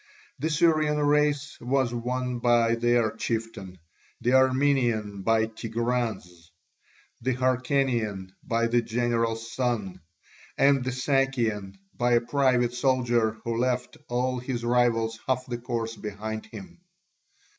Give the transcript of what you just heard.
The Syrian race was won by their chieftain, the Armenian by Tigranes, the Hyrcanian by the general's son, and the Sakian by a private soldier who left all his rivals half the course behind him.